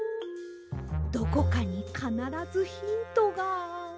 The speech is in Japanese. どこかにかならずヒントが。